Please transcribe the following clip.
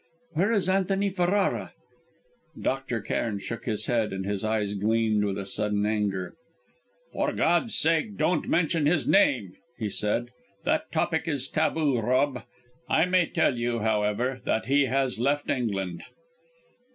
"Where is Antony Ferrara?" Dr. Cairn shook his head and his eyes gleamed with a sudden anger. "For God's sake don't mention his name!" he said. "That topic is taboo, Rob. I may tell you, however, that he has left England."